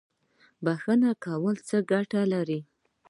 بخښنه کول څه ګټه لري؟